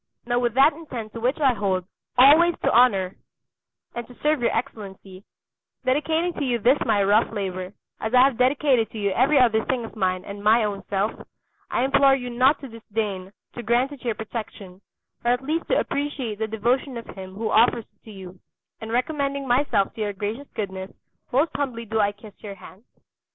Now with that intent to which I hold, always to honour and to serve your Excellency, dedicating to you this my rough labour, as I have dedicated to you every other thing of mine and my own self, I implore you not to disdain to grant it your protection, or at least to appreciate the devotion of him who offers it to you; and recommending myself to your gracious goodness, most humbly do I kiss your hand.